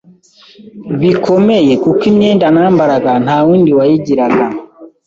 bikomeye kuko imyenda nambaraga nta wundi wayigiraga.